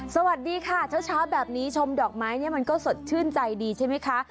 สวัสดีค่ะแบบนี้ชมดอกไม้นี่ก็สดแช่นใจดีใช่ไหมคะ